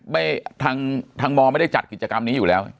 ทางทางมไม่ได้จัดกิจกรรมนี้อยู่แล้ว